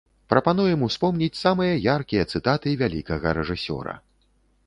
Прапануем успомніць самыя яркія цытаты вялікага рэжысёра.